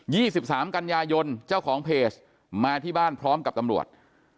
ี่สิบสามกันยายนเจ้าของเพจมาที่บ้านพร้อมกับตำรวจ